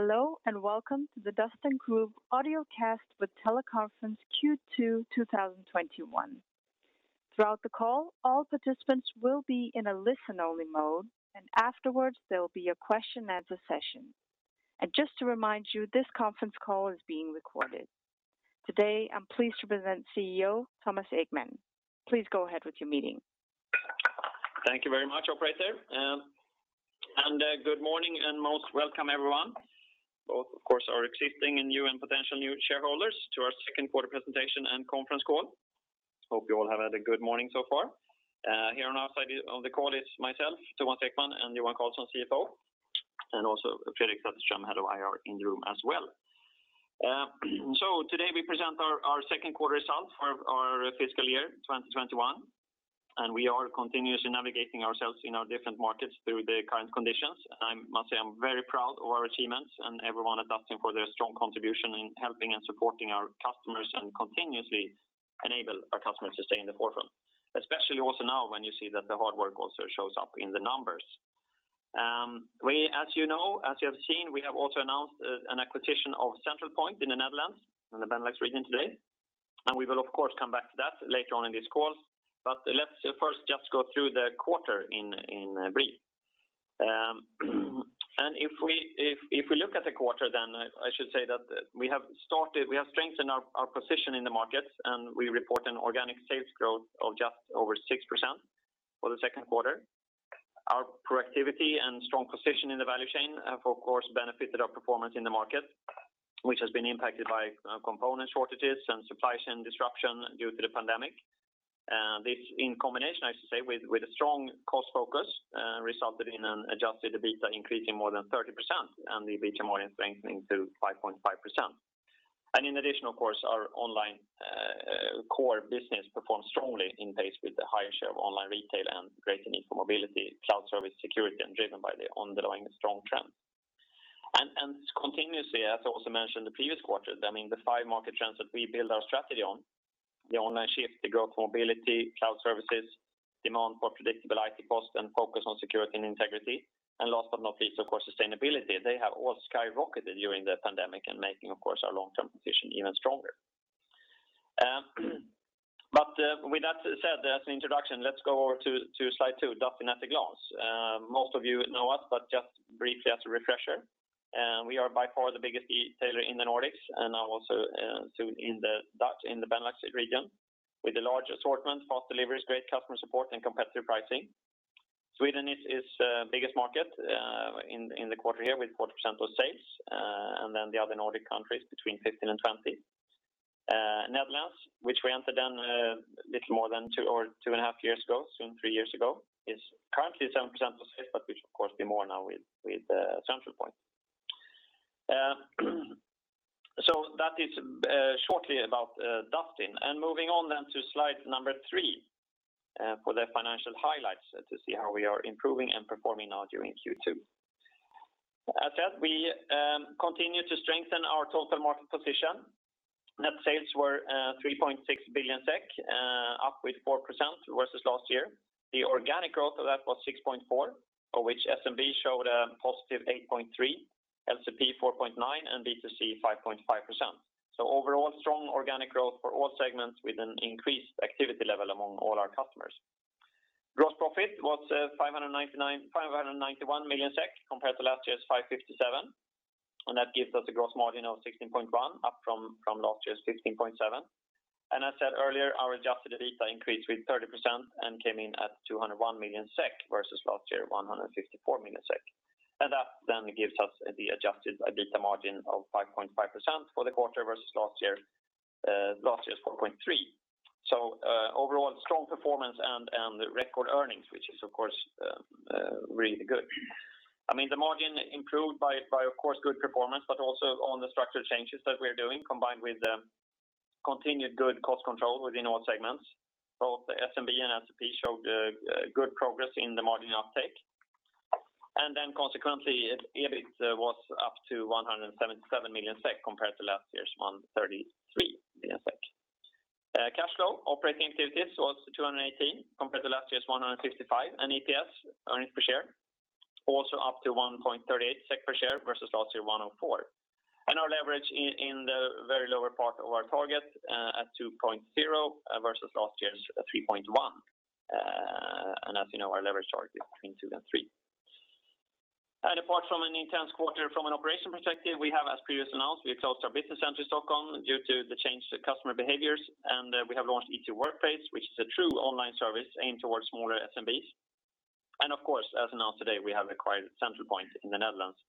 Hello, and welcome to the Dustin Group audiocast with teleconference Q2 2021. Throughout the call, all participants will be in a listen-only mode, and afterwards, there will be a question and answer session. Just to remind you, this conference call is being recorded. Today, I'm pleased to present CEO Thomas Ekman. Please go ahead with your meeting. Thank you very much, operator. Good morning and most welcome, everyone. Both, of course, our existing and potential new shareholders to our second quarter presentation and conference call. Hope you all have had a good morning so far. Here on our side of the call is myself, Thomas Ekman, and Johan Karlsson, CFO, and also Fredrik Sätterström, Head of IR, in the room as well. Today we present our second quarter results for our fiscal year 2021, and we are continuously navigating ourselves in our different markets through the current conditions. I must say, I'm very proud of our achievements and everyone at Dustin for their strong contribution in helping and supporting our customers and continuously enable our customers to stay in the forefront. Especially also now, when you see that the hard work also shows up in the numbers. As you have seen, we have also announced an acquisition of Centralpoint in the Netherlands, in the Benelux region today. We will, of course, come back to that later on in this call. Let's first just go through the quarter in brief. If we look at the quarter, I should say that we have strengthened our position in the markets, and we report an organic sales growth of just over 6% for the second quarter. Our productivity and strong position in the value chain have, of course, benefited our performance in the market, which has been impacted by component shortages and supply chain disruption due to the pandemic. This, in combination, I should say, with a strong cost focus, resulted in an adjusted EBITDA increasing more than 30%, and the EBITDA margin strengthening to 5.5%. In addition, of course, our online core business performed strongly in pace with the higher share of online retail and greater need for mobility, cloud service security, and driven by the underlying strong trend. Continuously, as I also mentioned in the previous quarter, the five market trends that we build our strategy on, the online shift, the growth mobility, cloud services, demand for predictable IT cost, and focus on security and integrity, and last but not least, of course, sustainability, they have all skyrocketed during the pandemic and making, of course, our long-term position even stronger. With that said, as an introduction, let's go over to Slide two, Dustin at a Glance. Most of you know us, but just briefly as a refresher, we are by far the biggest e-tailer in the Nordics and now also soon in the Benelux region with a large assortment, fast deliveries, great customer support, and competitive pricing. Sweden is biggest market in the quarter here with 40% of sales, and then the other Nordic countries between 15% and 20%. Netherlands, which we entered a little more than two and a half years ago, soon three years ago, is currently 7% of sales, but which, of course, be more now with Centralpoint. That is shortly about Dustin. Moving on then to slide number three for the financial highlights to see how we are improving and performing now during Q2. As said, we continue to strengthen our total market position. Net sales were 3.6 billion SEK, up with 4% versus last year. The organic growth of that was 6.4%, of which SMB showed a positive 8.3%, LCP 4.9%, and B2C 5.5%. Overall, strong organic growth for all segments with an increased activity level among all our customers. Gross profit was 591 million SEK compared to last year's 557. That gives us a gross margin of 16.1 up from last year's 15.7. As said earlier, our adjusted EBITDA increased with 30% and came in at 201 million SEK versus last year, 154 million SEK. That then gives us the adjusted EBITDA margin of 5.5% for the quarter versus last year's 4.3. Overall, strong performance and record earnings, which is, of course, really good. The margin improved by, of course, good performance, but also on the structural changes that we're doing, combined with continued good cost control within all segments. Both SMB and LCP showed good progress in the margin uptake. Consequently, EBIT was up to 177 million SEK compared to last year's 133 million. Cash flow operating activities was 218 compared to last year's 155, and EPS, earnings per share, also up to 1.38 SEK per share versus last year, 1.04. Our leverage in the very lower part of our target at 2.0 versus last year's 3.1. As you know, our leverage target is between two and three. Apart from an intense quarter from an operation perspective, we have, as previously announced, we have closed our business center in Stockholm due to the change in customer behaviors, and we have launched IT Workplace, which is a true online service aimed towards smaller SMBs. Of course, as announced today, we have acquired Centralpoint in the Netherlands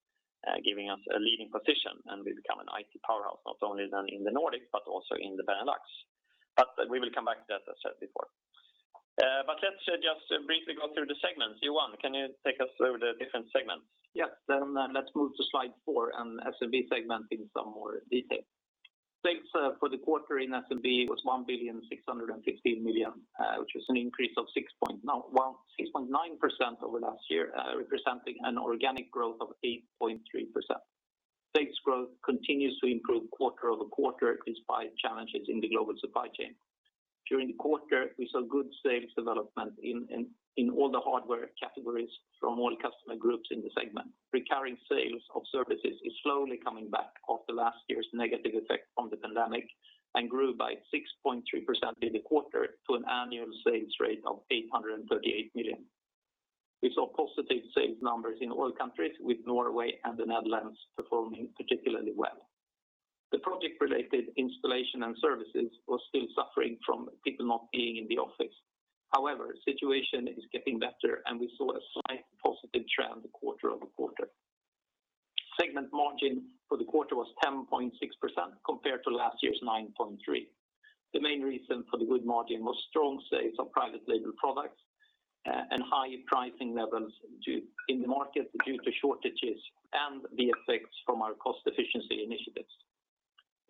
giving us a leading position, and we become an IT powerhouse, not only then in the Nordics, but also in the Benelux. We will come back to that, as I said before. Let's just briefly go through the segments. Johan, can you take us through the different segments? Yes. Let's move to Slide 4 and SMB segment in some more detail. Sales for the quarter in SMB was 1,615,000,000, which was an increase of 6.9% over last year, representing an organic growth of 8.3%. Sales growth continues to improve quarter-over-quarter despite challenges in the global supply chain. During the quarter, we saw good sales development in all the hardware categories from all customer groups in the segment. Recurring sales of services is slowly coming back after last year's negative effect from the pandemic and grew by 6.3% in the quarter to an annual sales rate of 838 million. We saw positive sales numbers in all countries, with Norway and the Netherlands performing particularly well. The project-related installation and services were still suffering from people not being in the office. The situation is getting better, and we saw a slight positive trend quarter-over-quarter. Segment margin for the quarter was 10.6% compared to last year's 9.3%. The main reason for the good margin was strong sales of private label products and high pricing levels in the market due to shortages and the effects from our cost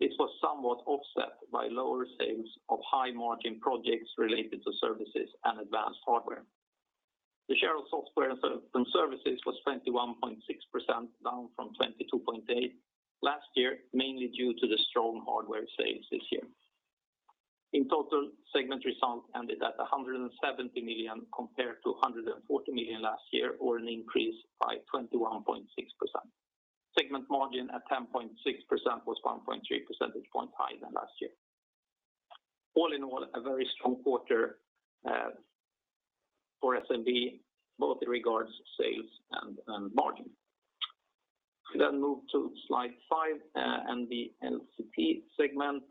efficiency initiatives. This was somewhat offset by lower sales of high-margin projects related to services and advanced hardware. The share of software and services was 21.6%, down from 22.8% last year, mainly due to the strong hardware sales this year. In total, segment results ended at 170 million compared to 140 million last year, or an increase by 21.6%. Segment margin at 10.6% was 1.3 percentage points higher than last year. All in all, a very strong quarter for SMB, both in regards to sales and margin. We move to slide five and the LCP segment.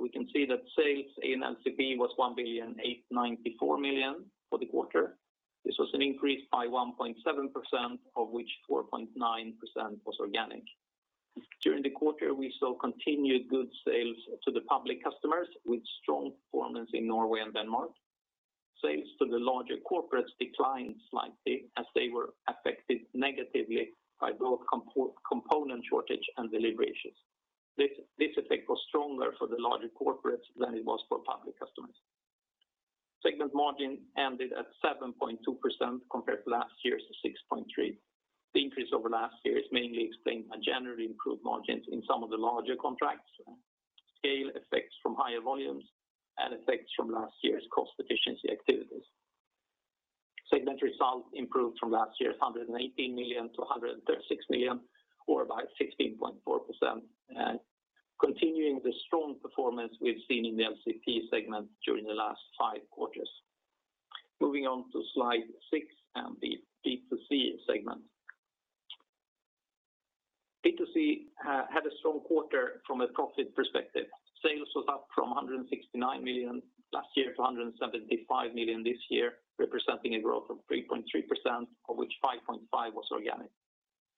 We can see that sales in LCP was 1,894 million for the quarter. This was an increase by 1.7%, of which 4.9% was organic. During the quarter, we saw continued good sales to the public customers with strong performance in Norway and Denmark. Sales to the larger corporates declined slightly as they were affected negatively by both component shortage and delivery issues. This effect was stronger for the larger corporates than it was for public customers. Segment margin ended at 7.2% compared to last year's 6.3%. The increase over last year is mainly explained by generally improved margins in some of the larger contracts, scale effects from higher volumes, and effects from last year's cost efficiency activities. Segment results improved from last year's 118 million to 136 million, or about 16.4%, continuing the strong performance we've seen in the LCP segment during the last five quarters. Moving on to slide six and the B2C segment. B2C had a strong quarter from a profit perspective. Sales was up from 169 million last year to 175 million this year, representing a growth of 3.3%, of which 5.5% was organic.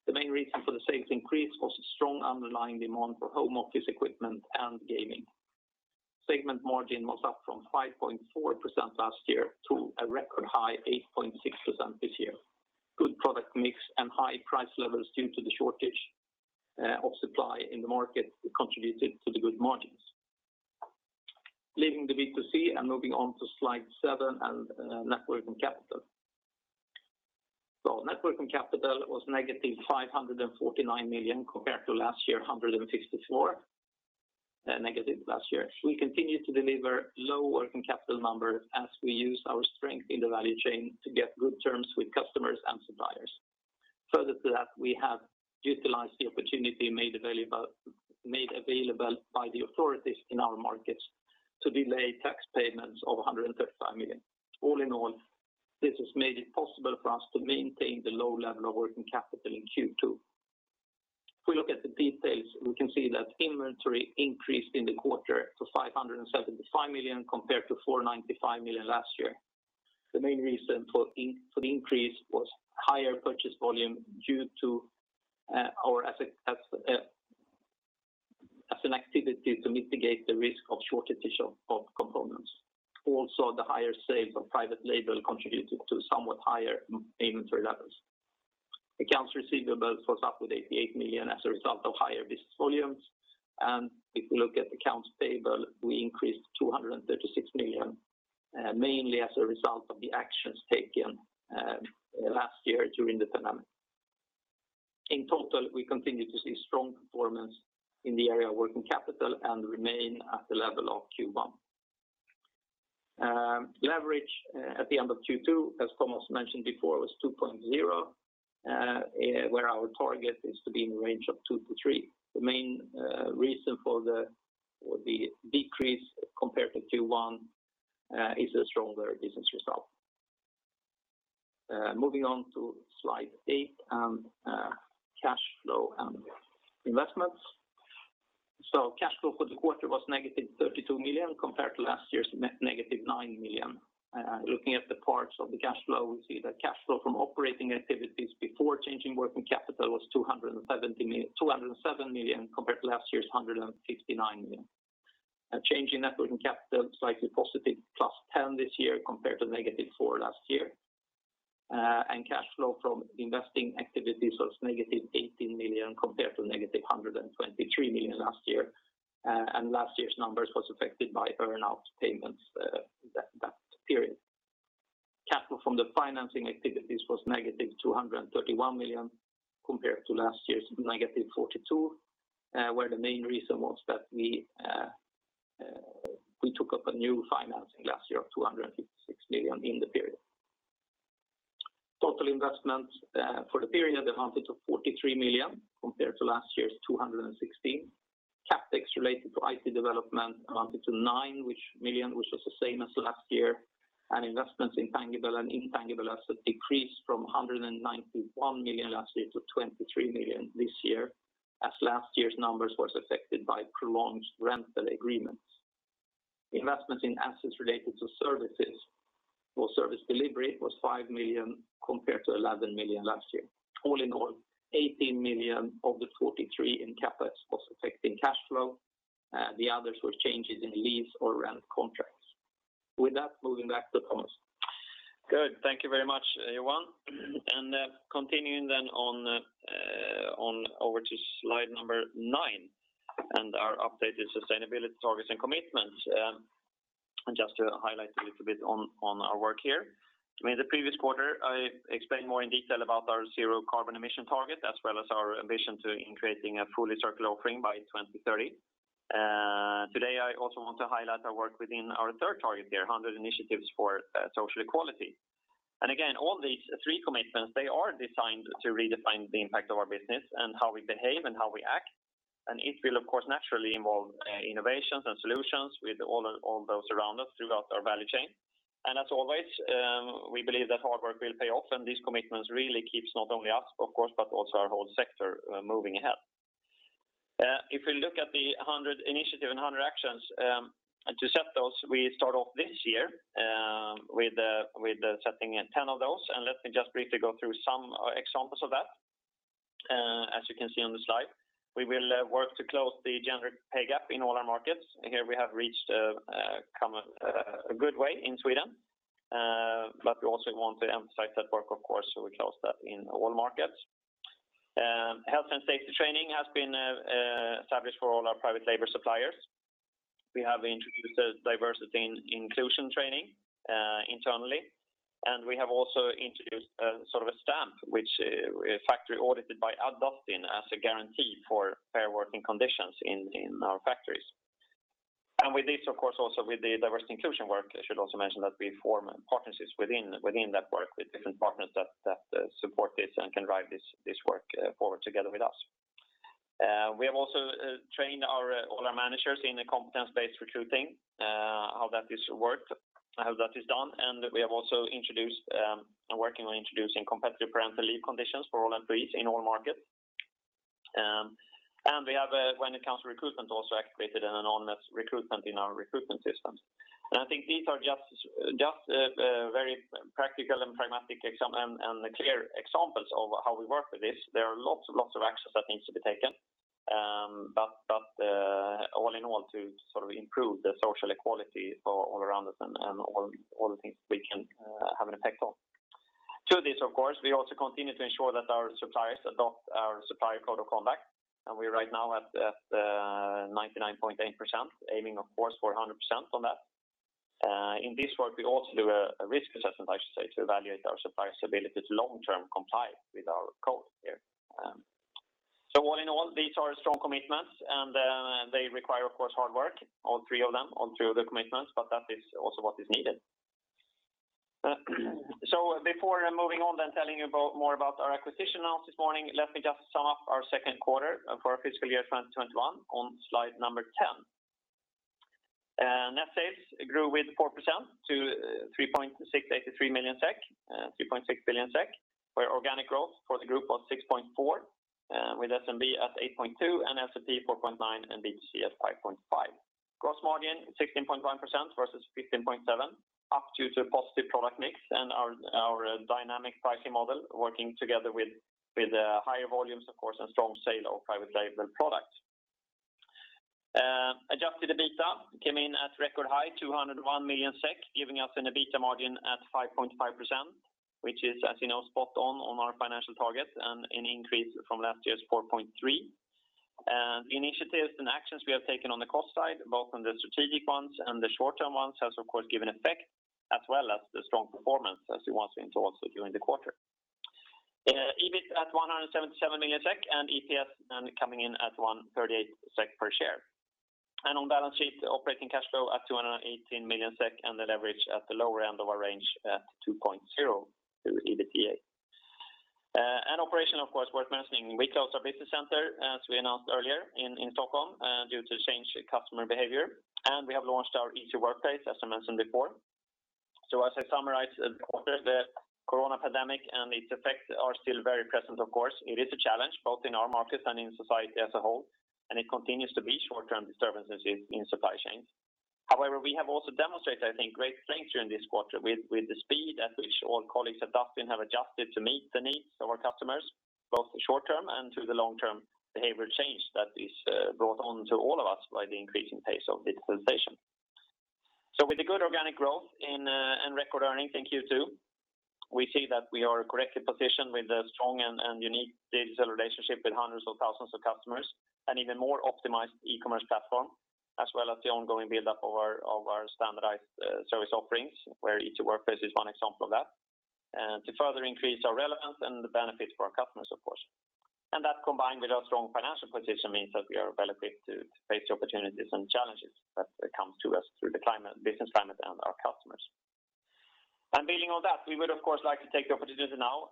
The main reason for the sales increase was a strong underlying demand for home office equipment and gaming. Segment margin was up from 5.4% last year to a record high 8.6% this year. Good product mix and high price levels due to the shortage of supply in the market contributed to the good margins. Leaving the B2C and moving on to slide seven and net working capital. Net working capital was negative 549 million compared to last year, 164 negative last year. We continue to deliver low working capital numbers as we use our strength in the value chain to get good terms with customers and suppliers. Further to that, we have utilized the opportunity made available by the authorities in our markets to delay tax payments of 135 million. All in all, this has made it possible for us to maintain the low level of working capital in Q2. If we look at the details, we can see that inventory increased in the quarter to 575 million compared to 495 million last year. The main reason for the increase was higher purchase volume due to our asset as an activity to mitigate the risk of shortage of components. Also, the higher sales of private label contributed to somewhat higher inventory levels. Accounts receivables was up with 88 million as a result of higher business volumes. If we look at accounts payable, we increased 236 million, mainly as a result of the actions taken last year during the pandemic. In total, we continue to see strong performance in the area of working capital and remain at the level of Q1. Leverage at the end of Q2, as Thomas mentioned before, was 2.0, where our target is to be in the range of two to three. The main reason for the decrease compared to Q1 is a stronger business result. Moving on to slide eight, cash flow and investments. Cash flow for the quarter was -32 million compared to last year's -9 million. Looking at the parts of the cash flow, we see that cash flow from operating activities before changing working capital was 207 million compared to last year's 159 million. A change in net working capital, slightly positive, +10 this year compared to -4 last year. Cash flow from investing activities was -18 million compared to -123 million last year. Last year's numbers was affected by earn-out payments that period. Cash flow from the financing activities was negative 231 million compared to last year's negative 42 million, where the main reason was that we took up a new financing last year of 256 million in the period. Total investment for the period amounted to 43 million compared to last year's 216 million. CapEx related to IT development amounted to 9 million, which was the same as last year, and investments in tangible and intangible assets decreased from 191 million last year to 23 million this year, as last year's numbers was affected by prolonged rental agreements. Investments in assets related to services or service delivery was 5 million compared to 11 million last year. All in all, 18 million of the 43 million in CapEx was affecting cash flow. The others were changes in lease or rent contracts. With that, moving back to Thomas. Good. Thank you very much, everyone. Continuing on over to slide number nine and our updated sustainability targets and commitments. Just to highlight a little bit on our work here. In the previous quarter, I explained more in detail about our Zero Carbon Emission Target, as well as our ambition to increasing a fully circular offering by 2030. Today, I also want to highlight our work within our third target here, 100 Initiatives for Social Equality. Again, all these three commitments, they are designed to redefine the impact of our business and how we behave and how we act. It will, of course, naturally involve innovations and solutions with all those around us throughout our value chain. As always, we believe that hard work will pay off, and these commitments really keeps not only us, of course, but also our whole sector moving ahead. If we look at the 100 initiative and 100 actions, to set those, we start off this year with setting 10 of those. Let me just briefly go through some examples of that. As you can see on the slide, we will work to close the gender pay gap in all our markets. Here we have reached a good way in Sweden, but we also want to emphasize that work, of course, so we close that in all markets. Health and safety training has been established for all our private label suppliers. We have introduced diversity and inclusion training internally, and we have also introduced a stamp, which is factory audited by at Dustin as a guarantee for fair working conditions in our factories. With this, of course, also with the diversity and inclusion work, I should also mention that we form partnerships within that work with different partners that support this and can drive this work forward together with us. We have also trained all our managers in the competence-based recruiting, how that is worked, how that is done, and we have also introduced, and working on introducing competitive parental leave conditions for all employees in all markets. We have, when it comes to recruitment, also activated an anonymous recruitment in our recruitment systems. I think these are just very practical and pragmatic and clear examples of how we work with this. There are lots of actions that needs to be taken. All in all, to improve the social equality all around us and all the things we can have an impact on. To this, of course, we also continue to ensure that our suppliers adopt our supplier code of conduct. We are right now at 99.8%, aiming, of course, for 100% on that. In this work, we also do a risk assessment, I should say, to evaluate our suppliers' ability to long-term comply with our code here. All in all, these are strong commitments. They require, of course, hard work, all three of them, all three of the commitments. That is also what is needed. Before moving on and telling you more about our acquisition announced this morning, let me just sum up our second quarter for our fiscal year 2021 on slide number 10. Net sales grew with 4% to 3.683 million SEK, 3.6 billion SEK, where organic growth for the group was 6.4%, with SMB at 8.2%, LCP 4.9%, and B2C at 5.5%. Gross margin 16.1% versus 15.7%, up due to positive product mix and our dynamic pricing model working together with higher volumes, of course, and strong sale of private label products. Adjusted EBITDA came in at record high 201 million SEK, giving us an EBITDA margin at 5.5%, which is, as you know, spot on our financial target and an increase from last year's 4.3%. Initiatives and actions we have taken on the cost side, both on the strategic ones and the short-term ones, has of course given effect, as well as the strong performance as you want me to also view in the quarter. EBIT at 177 million SEK and EPS then coming in at 1.38 SEK per share. On balance sheet, operating cash flow at 218 million SEK and the leverage at the lower end of our range at 2.0x to EBITDA. Operation, of course, worth mentioning, we closed our business center as we announced earlier in Stockholm due to change in customer behavior. We have launched our IT Workplace, as I mentioned before. As I summarize the quarter, the corona pandemic and its effects are still very present, of course. It is a challenge, both in our markets and in society as a whole, and it continues to be short-term disturbances in supply chains. However, we have also demonstrated, I think, great strength during this quarter with the speed at which all colleagues at Dustin have adjusted to meet the needs of our customers, both the short term and to the long-term behavioral change that is brought on to all of us by the increasing pace of digitalization. With the good organic growth and record earnings in Q2, we see that we are correctly positioned with a strong and unique digital relationship with hundreds of thousands of customers and even more optimized e-commerce platform. As well as the ongoing build-up of our standardized service offerings, where IT Workplace is one example of that, to further increase our relevance and the benefits for our customers, of course. That, combined with our strong financial position, means that we are well equipped to face the opportunities and challenges that comes to us through the business climate and our customers. Building on that, we would of course like to take the opportunity now,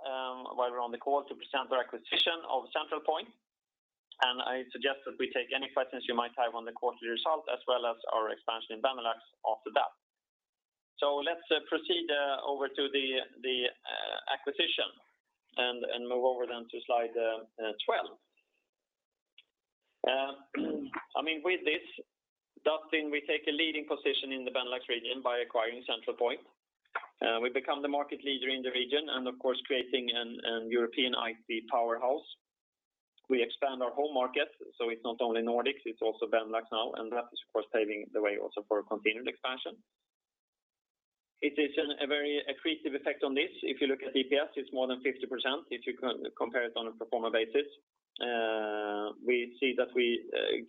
while we're on the call, to present our acquisition of Centralpoint, and I suggest that we take any questions you might have on the quarterly results, as well as our expansion in Benelux after that. Let's proceed over to the acquisition and move over then to slide 12. With this, Dustin, we take a leading position in the Benelux region by acquiring Centralpoint. We become the market leader in the region and, of course, creating an European IT powerhouse. We expand our home market, so it's not only Nordics, it's also Benelux now, and that is, of course, paving the way also for continued expansion. It is a very accretive effect on this. If you look at EPS, it's more than 50%, if you compare it on a pro forma basis. We see that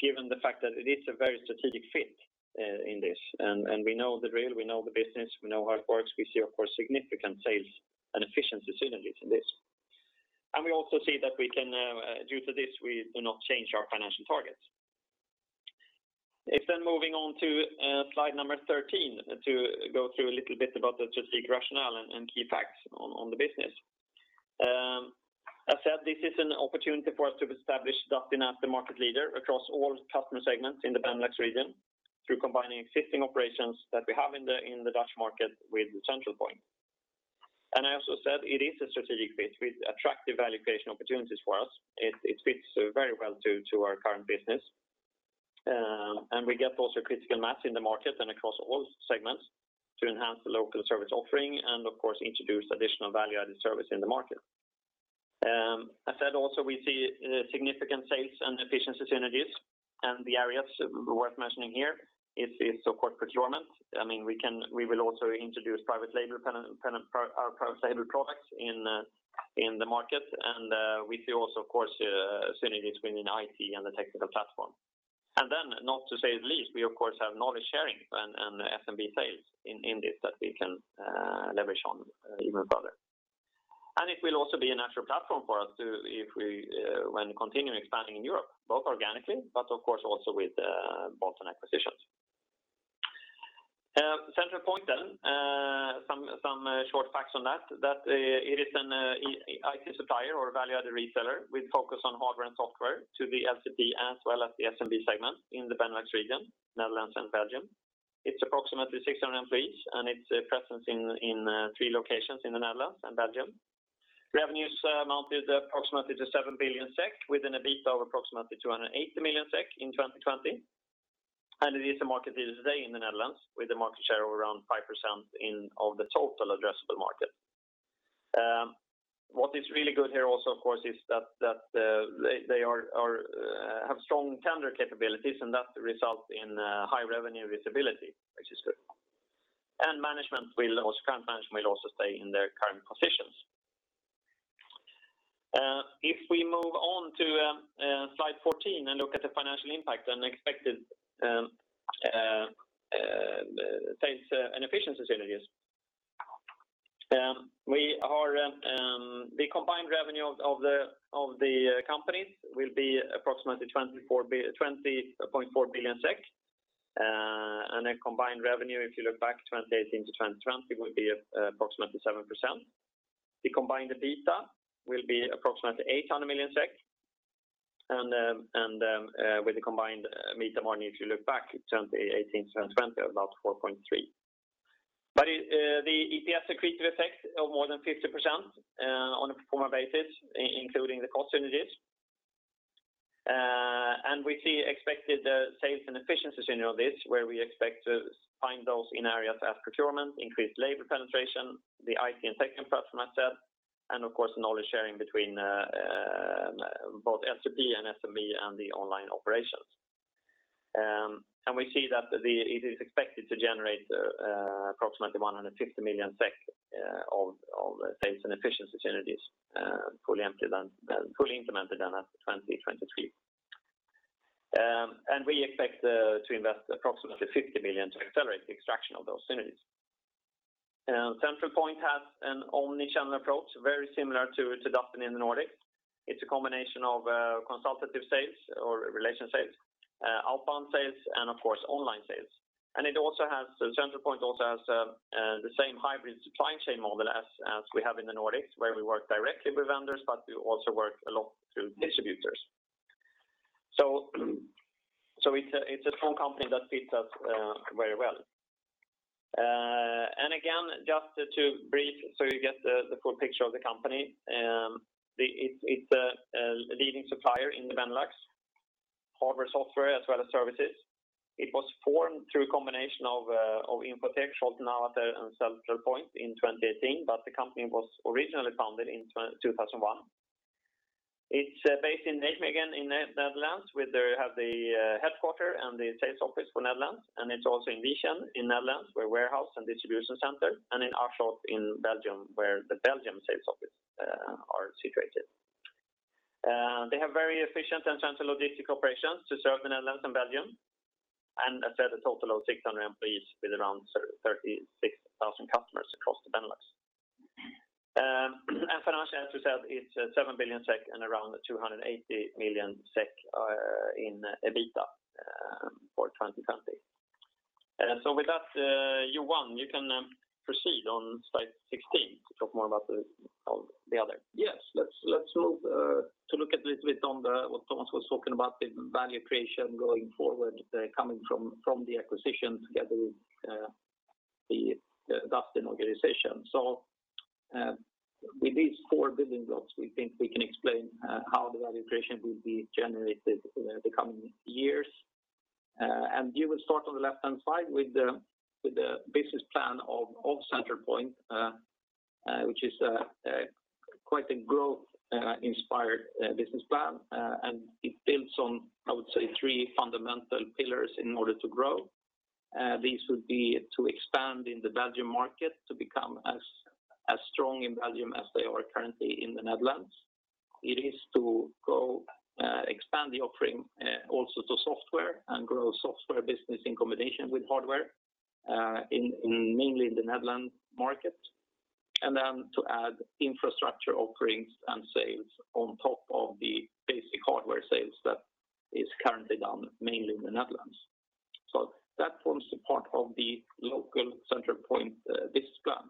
given the fact that it is a very strategic fit in this, and we know the drill, we know the business, we know how it works, we see, of course, significant sales and efficiency synergies in this. We also see that due to this, we do not change our financial targets. Moving on to slide 13, to go through a little bit about the strategic rationale and key facts on the business. As said, this is an opportunity for us to establish Dustin as the market leader across all customer segments in the Benelux region through combining existing operations that we have in the Dutch market with Centralpoint. I also said it is a strategic fit with attractive value creation opportunities for us. It fits very well to our current business. We get also critical mass in the market and across all segments to enhance the local service offering and, of course, introduce additional value-added service in the market. As said, also, we see significant sales and efficiency synergies, the areas worth mentioning here is, of course, procurement. We will also introduce our private label products in the market, and we see also, of course, synergies between IT and the technical platform. Not to say the least, we of course have knowledge-sharing and SMB sales in this that we can leverage on even further. It will also be a natural platform for us when continuing expanding in Europe, both organically, but of course also with bolt-on acquisitions. Centralpoint, some short facts on that. It is an IT supplier or a value-added reseller with focus on hardware and software to the LCP as well as the SMB segment in the Benelux region, Netherlands and Belgium. It's approximately 600 employees, and it's presence in three locations in the Netherlands and Belgium. Revenues amounted approximately to 7 billion SEK within a EBITDA of approximately 280 million SEK in 2020. It is a market leader today in the Netherlands, with a market share of around 5% of the total addressable market. What is really good here also, of course, is that they have strong tender capabilities, and that results in high revenue visibility, which is good. Current management will also stay in their current positions. If we move on to slide 14 and look at the financial impact and expected sales and efficiency synergies. The combined revenue of the companies will be approximately 20.4 billion SEK, and a combined revenue, if you look back 2018-2020, will be approximately 7%. The combined EBITDA will be approximately 800 million, and with the combined EBITDA margin, if you look back 2018-2020, about 4.3%. The EPS accretive effect of more than 50% on a pro forma basis, including the cost synergies. We see expected sales and efficiency synergies where we expect to find those in areas as procurement, increased label penetration, the IT and tech platform assets, of course, knowledge-sharing between both LCP and SMB and the online operations. We see that it is expected to generate approximately 150 million SEK of sales and efficiency synergies fully implemented then at 2023. We expect to invest approximately 50 million to accelerate the extraction of those synergies. Centralpoint has an omni-channel approach, very similar to Dustin in the Nordics. It's a combination of consultative sales or relation sales, outbound sales, and of course, online sales. Centralpoint also has the same hybrid supply chain model as we have in the Nordics, where we work directly with vendors, but we also work a lot through distributors. It's a strong company that fits us very well. Again, just to brief so you get the full picture of the company. It's a leading supplier in the Benelux. Hardware, software, as well as services. It was formed through a combination of Infotheek, Scholten Awater, and Centralpoint in 2018, but the company was originally founded in 2001. It's based in Nijmegen in Netherlands, where they have the headquarters and the sales office for Netherlands, and it's also in Wijchen in Netherlands, where warehouse and distribution center, and in Aarschot in Belgium, where the Belgium sales office are situated. They have very efficient and central logistic operations to serve the Netherlands and Belgium. As said, a total of 600 employees with around 36,000 customers across the Benelux. Financially, as we said, it's 7 billion SEK and around 280 million SEK in EBITDA for 2020. With that, Johan, you can proceed on slide 16 to talk more about all the other. Yes. Let's move to look at little bit on what Thomas was talking about, the value creation going forward, coming from the acquisition together with the Dustin organization. With these four building blocks, we think we can explain how the value creation will be generated the coming years. You will start on the left-hand side with the business plan of Centralpoint, which is quite a growth-inspired business plan. It builds on, I would say, three fundamental pillars in order to grow. These would be to expand in the Belgium market to become as strong in Belgium as they are currently in the Netherlands. It is to expand the offering also to software and grow software business in combination with hardware, mainly in the Netherlands market. To add infrastructure offerings and sales on top of the basic hardware sales that is currently done mainly in the Netherlands. That forms a part of the local Centralpoint business plan.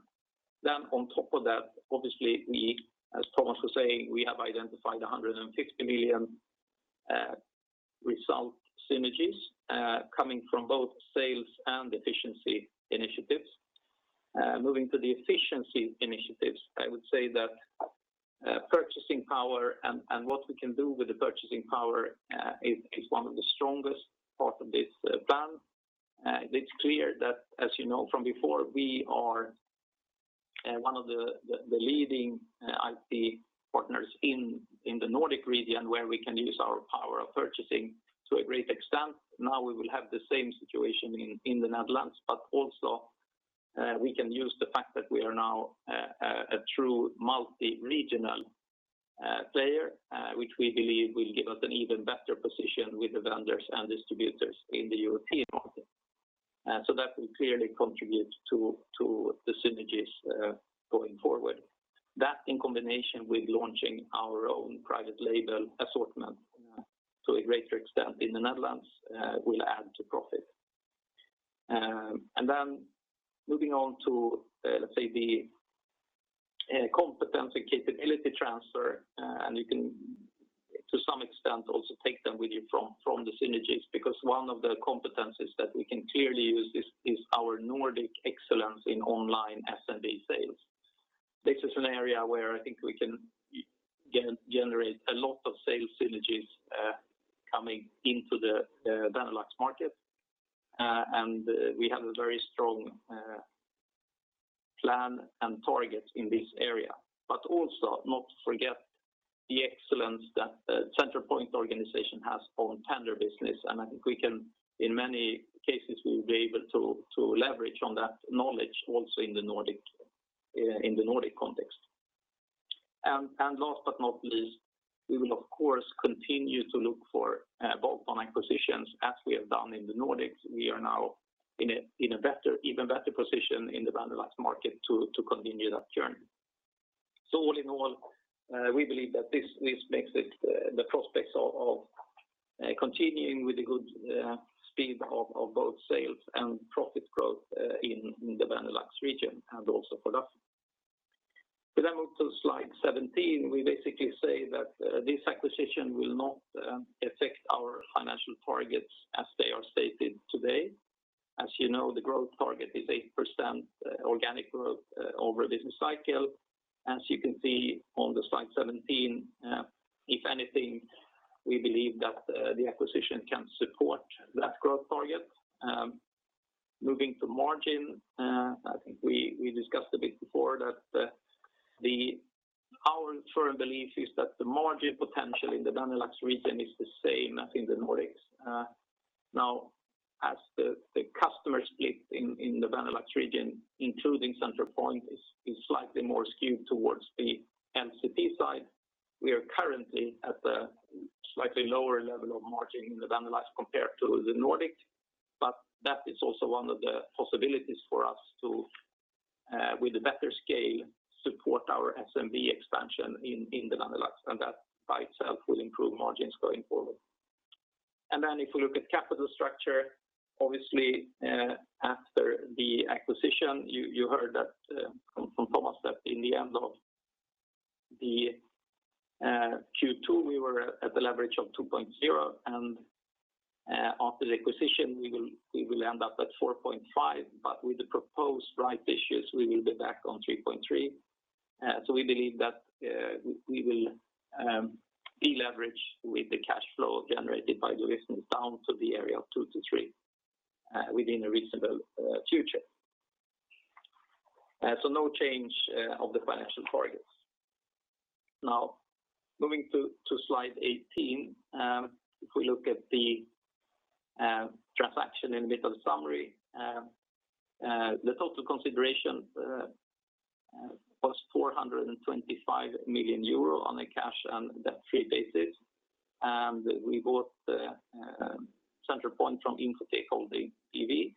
On top of that, obviously we, as Thomas was saying, we have identified 150 million result synergies coming from both sales and efficiency initiatives. Moving to the efficiency initiatives, I would say that purchasing power and what we can do with the purchasing power is one of the strongest part of this plan. It's clear that, as you know from before, we are one of the leading IT partners in the Nordic region where we can use our power of purchasing to a great extent. Now we will have the same situation in the Netherlands, but also we can use the fact that we are now a true multi-regional player, which we believe will give us an even better position with the vendors and distributors in the European market. That will clearly contribute to the synergies going forward. That in combination with launching our own private label assortment to a greater extent in the Netherlands will add to profit. Then moving on to, let's say the competency capability transfer, and you can, to some extent, also take them with you from the synergies, because one of the competencies that we can clearly use is our Nordic excellence in online SMB sales. This is an area where I think we can generate a lot of sales synergies coming into the Benelux market. We have a very strong plan and target in this area, but also not forget the excellence that Centralpoint organization has on tender business. I think we can, in many cases, we will be able to leverage on that knowledge also in the Nordic context. Last but not least, we will of course, continue to look for bolt-on acquisitions as we have done in the Nordics. We are now in an even better position in the Benelux market to continue that journey. All in all, we believe that this makes the prospects of continuing with the good speed of both sales and profit growth in the Benelux region and also for us. We move to slide 17. We basically say that this acquisition will not affect our financial targets as they are stated today. As you know, the growth target is 8% organic growth over a business cycle. As you can see on the slide 17, if anything, we believe that the acquisition can support that growth target. Moving to margin, I think we discussed a bit before that our firm belief is that the margin potential in the Benelux region is the same as in the Nordics. Now as the customer split in the Benelux region, including Centralpoint, is slightly more skewed towards the LCP side. We are currently at a slightly lower level of margin in the Benelux compared to the Nordic, but that is also one of the possibilities for us to, with a better scale, support our SMB expansion in the Benelux, and that by itself will improve margins going forward. If you look at capital structure, obviously, after the acquisition, you heard that from Thomas that in the end of the Q2, we were at a leverage of 2.0, and after the acquisition, we will end up at 4.5, but with the proposed right issues, we will be back on 3.3. We believe that we will deleverage with the cash flow generated by the business down to the area of 2-3 within a reasonable future. No change of the financial targets. Moving to slide 18. If we look at In the middle summary. The total consideration was 425 million euro on a cash- and debt-free basis, and we bought Centralpoint from Infotheek Holding B.V..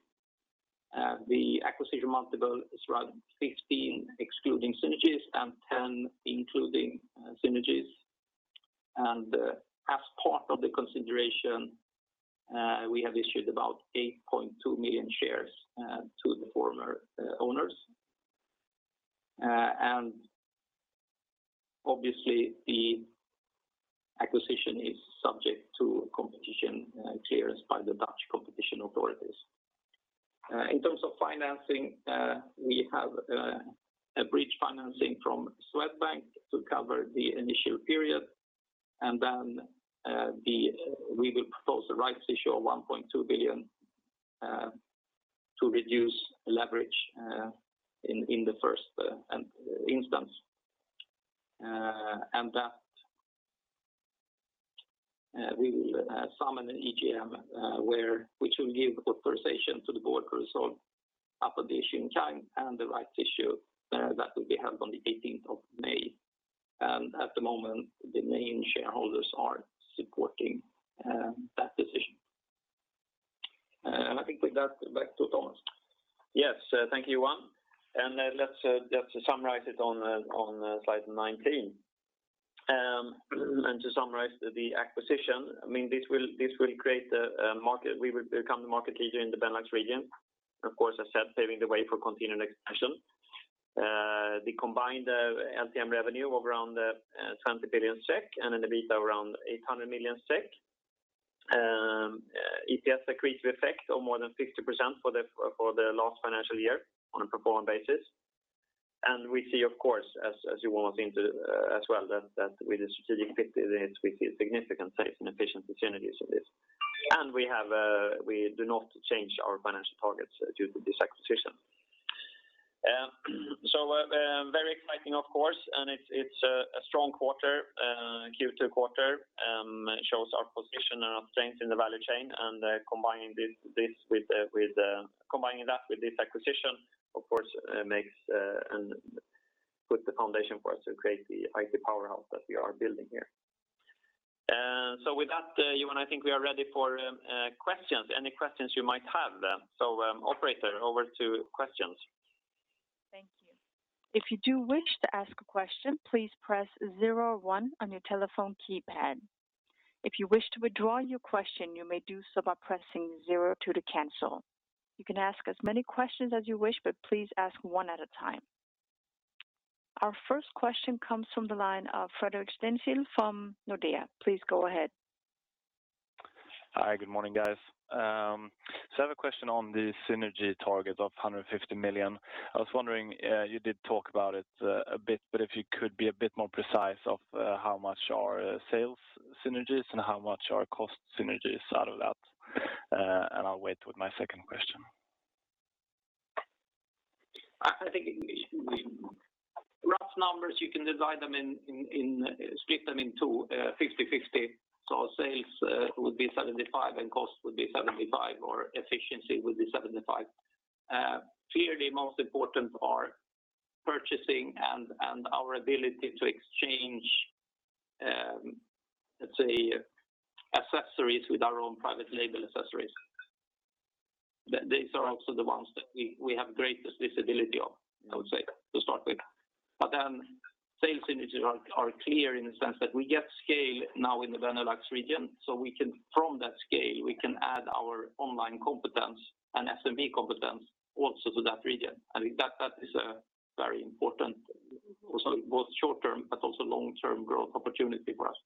The acquisition multiple is around 15x excluding synergies and 10x including synergies. As part of the consideration, we have issued about 8.2 million shares to the former owners. Obviously the acquisition is subject to competition clearance by the Dutch competition authorities. In terms of financing, we have a bridge financing from Swedbank to cover the initial period, then we will propose a rights issue of 1.2 billion to reduce leverage in the first instance. That we will summon an EGM which will give authorization to the board to resolve [inaudible] and the rights issue that will be held on the 18th of May. At the moment, the main shareholders are supporting that decision. I think with that, back to Thomas. Yes, thank you, Johan. Let's just summarize it on slide 19. To summarize the acquisition, we will become the market leader in the Benelux region. Of course, as said, paving the way for continued expansion. The combined LTM revenue of around 20 billion and an EBITDA around 800 million. EPS accretive effect of more than 50% for the last financial year on a pro forma basis. We see, of course, as Johan was into as well, that with the strategic fit, we see significant savings and efficiency synergies in this. We do not change our financial targets due to this acquisition. Very exciting, of course, and it's a strong Q2 quarter. Shows our position and our strength in the value chain. Combining that with this acquisition, of course, puts the foundation for us to create the IT powerhouse that we are building here. With that, Johan, I think we are ready for questions. Any questions you might have. Operator, over to questions. Thank you. If you do wish to ask a question, please press zero one on your telephone keypad. If you wish to withdraw your question, you may do so by pressing zero two to cancel. You can ask as many questions as you wish, but please ask one at a time. Our first question comes from the line of Fredrik Stenkil from Nordea. Please go ahead. Hi, good morning, guys. I have a question on the synergy target of 150 million. I was wondering, you did talk about it a bit, but if you could be a bit more precise of how much are sales synergies and how much are cost synergies out of that? I'll wait with my second question. I think rough numbers, you can split them in two, 50/50. Sales would be 75 and cost would be 75, or efficiency would be 75. Clearly most important are purchasing and our ability to exchange, let's say, accessories with our own private label accessories. These are also the ones that we have greatest visibility of, I would say to start with. Sales synergies are clear in the sense that we get scale now in the Benelux region. From that scale, we can add our online competence and SMB competence also to that region. I think that is a very important both short term but also long term growth opportunity for us.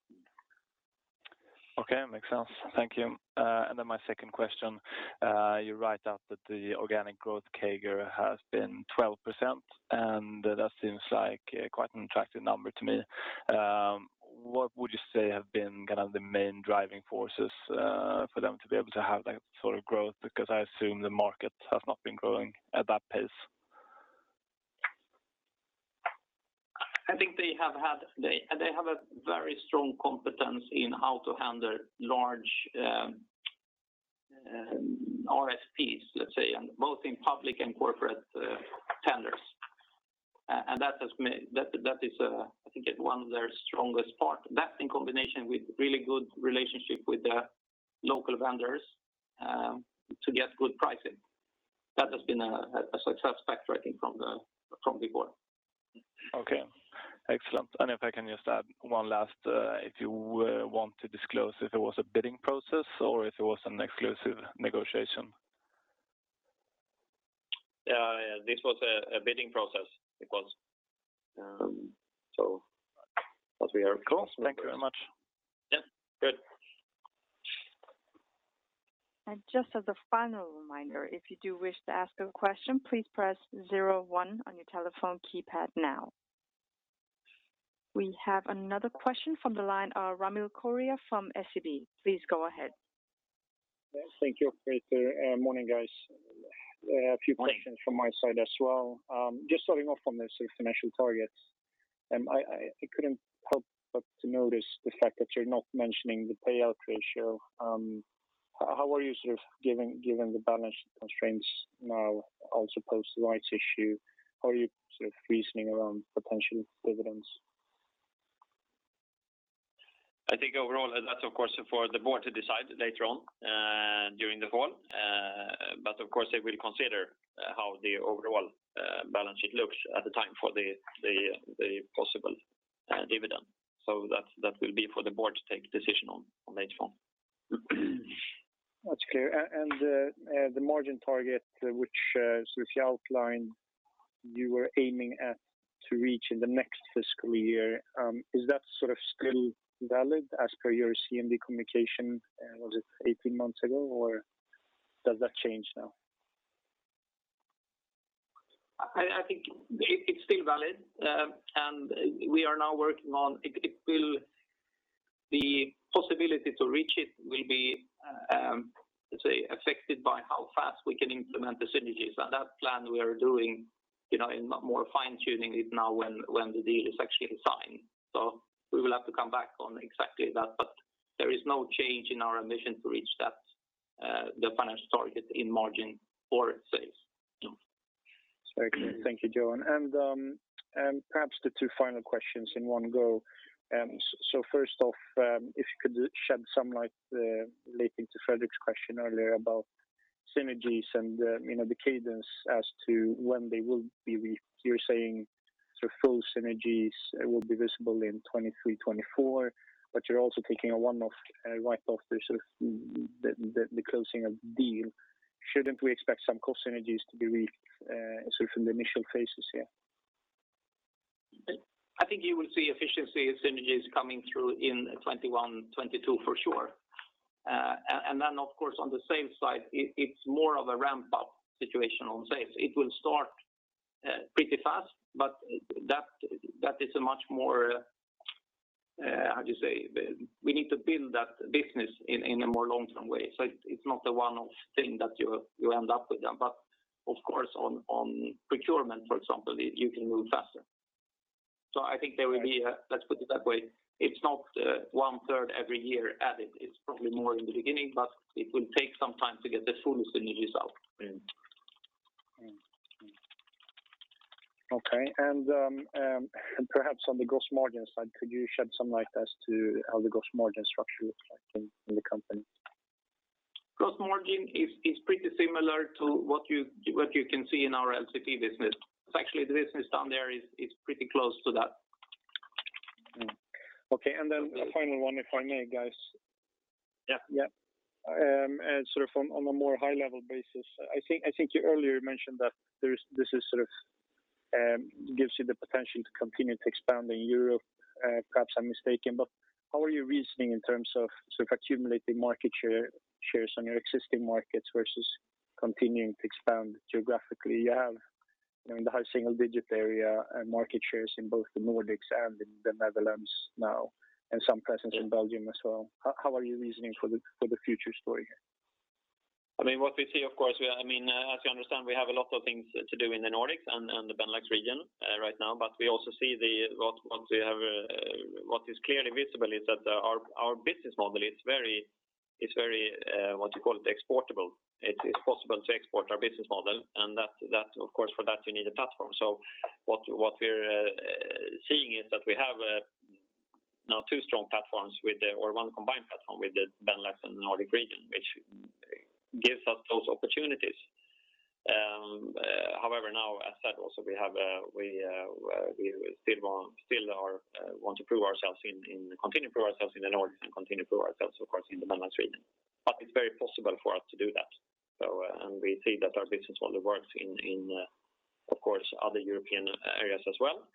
Okay. Makes sense. Thank you. My second question. You write out that the organic growth CAGR has been 12%, and that seems like quite an attractive number to me. What would you say have been the main driving forces for them to be able to have that sort of growth? Because I assume the market has not been growing at that pace. I think they have a very strong competence in how to handle large RFPs, let's say, and both in public and corporate tenders. That is, I think, one of their strongest part. That in combination with really good relationship with the local vendors to get good pricing. That has been a success factor, I think, from the board. Okay. Excellent. If I can just add one last, if you want to disclose if it was a bidding process or if it was an exclusive negotiation? Yeah. This was a bidding process. It was. Thank you very much. Yeah. Good. Just as a final reminder, if you do wish to ask a question, please press zero one on your telephone keypad now. We have another question from the line, Ramil Koria from SEB. Please go ahead. Yes, thank you, operator. Morning, guys. A few questions from my side as well. Just starting off on the financial targets. I couldn't help but to notice the fact that you're not mentioning the payout ratio. Given the balance constraints now as opposed to rights issue, how are you reasoning around potential dividends? I think overall that's for the board to decide later on during the fall. Of course they will consider how the overall balance sheet looks at the time for the possible dividend. That will be for the board to take a decision on later on. That's clear. The margin target which you outlined you were aiming at to reach in the next fiscal year, is that still valid as per your CMD communication, was it 18 months ago, or does that change now? I think it's still valid. The possibility to reach it will be affected by how fast we can implement the synergies. That plan we are doing more fine-tuning now when the deal is actually signed. We will have to come back on exactly that, but there is no change in our ambition to reach the financial target in margin for sales. Very clear. Thank you, Johan. Perhaps the two final questions in one go. First off, if you could shed some light relating to Fredrik's question earlier about synergies and the cadence as to when they will be reached. You're saying full synergies will be visible in 2023, 2024, but you're also taking a one-off write off the closing of the deal. Shouldn't we expect some cost synergies to be reached from the initial phases here? I think you will see efficiency synergies coming through in 2021, 2022 for sure. Of course on the sales side, it's more of a ramp up situation on sales. It will start pretty fast, but we need to build that business in a more long-term way. It's not a one-off thing that you end up with then. Of course on procurement, for example, you can move faster. I think there will be. Let's put it that way. It's not 1/3 every year added. It's probably more in the beginning, but it will take some time to get the full synergies out. Okay. Perhaps on the gross margin side, could you shed some light as to how the gross margin structure looks like in the company? Gross margin is pretty similar to what you can see in our LCP business. Actually, the business down there is pretty close to that. Okay, the final one, if I may, guys. Yeah. Yeah. On a more high level basis, I think you earlier mentioned that this gives you the potential to continue to expand in Europe. Perhaps I'm mistaken, but how are you reasoning in terms of accumulating market shares on your existing markets versus continuing to expand geographically? You have in the high single digit area market shares in both the Nordics and in the Netherlands now, and some presence in Belgium as well. How are you reasoning for the future story here? As you understand, we have a lot of things to do in the Nordics and the Benelux region right now. What is clearly visible is that our business model it's very exportable. It is possible to export our business model. Of course for that we need a platform. What we're seeing is that we have now two strong platforms or one combined platform with the Benelux and Nordic region, which gives us those opportunities. However, now, as said also, we still want to continue to prove ourselves in the Nordics and continue to prove ourselves of course in the Benelux region. It's very possible for us to do that. We see that our business model works in other European areas as well.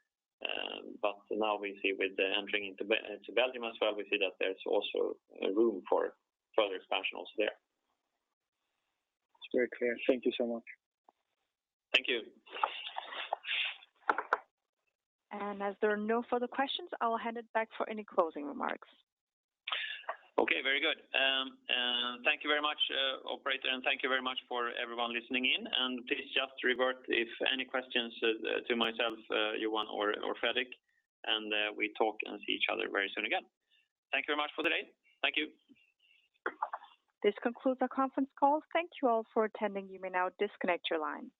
Now with entering into Belgium as well, we see that there's also room for further expansionals there. It's very clear. Thank you so much. Thank you. As there are no further questions, I'll hand it back for any closing remarks. Okay, very good. Thank you very much operator, and thank you very much for everyone listening in. Please just revert if any questions to myself, Johan, or Fredrik, and we talk and see each other very soon again. Thank you very much for today. Thank you. This concludes our conference call. Thank you all for attending. You may now disconnect your line.